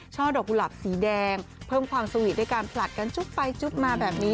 ดอกกุหลับสีแดงเพิ่มความสวีทด้วยการผลัดกันจุ๊บไปจุ๊บมาแบบนี้